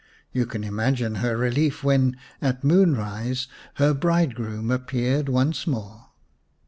You can imagine her relief when, at moonrise, her bride groom appeared once more.